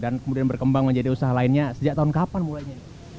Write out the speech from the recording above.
kemudian berkembang menjadi usaha lainnya sejak tahun kapan mulainya